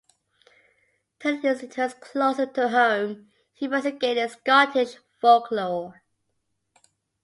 Turning his interest closer to home, he investigated Scottish folklore.